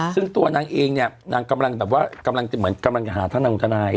ซึ่งตัวนางเองเนี่ยนางกำลังแบบว่ากำลังเหมือนกำลังจะหาท่านนางทนาย